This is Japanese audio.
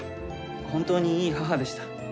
本当にいい母でした。